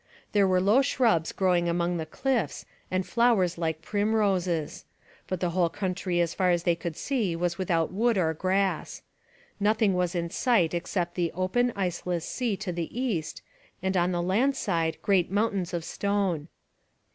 There were low shrubs growing among the cliffs and flowers like primroses. But the whole country as far as they could see was without wood or grass. Nothing was in sight except the open iceless sea to the east and on the land side great mountains of stone.